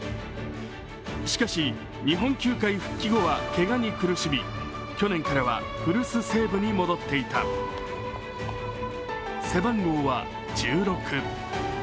しかし日本球界復帰後はけがに苦しみ去年からは古巣・西武に戻っていた背番号は１６。